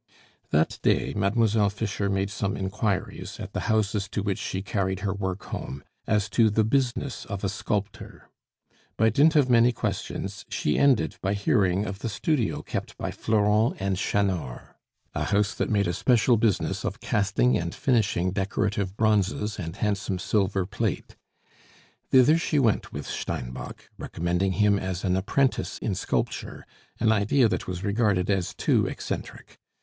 That day, Mademoiselle Fischer made some inquiries, at the houses to which she carried her work home, as to the business of a sculptor. By dint of many questions she ended by hearing of the studio kept by Florent and Chanor, a house that made a special business of casting and finishing decorative bronzes and handsome silver plate. Thither she went with Steinbock, recommending him as an apprentice in sculpture, an idea that was regarded as too eccentric.